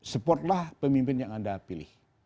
support lah pemimpin yang anda pilih